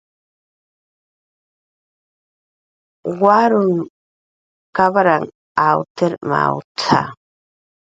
"Waruw kapranh awtir mawt""a"